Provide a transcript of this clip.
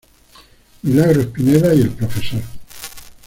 Milagros Pineda y el Prof.